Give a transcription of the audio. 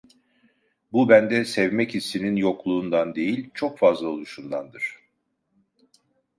Bu bende sevmek hissinin yokluğundan değil çok fazla oluşundandır.